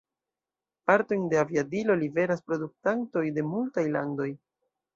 Partojn de aviadilo liveras produktantoj de multaj landoj.